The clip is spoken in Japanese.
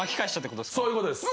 そういうことです。